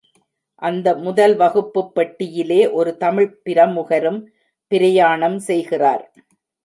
அந்த முதல் வகுப்புப் பெட்டியிலே ஒரு தமிழ்ப் பிரமுகரும் பிரயாணம் செய்கிறார்.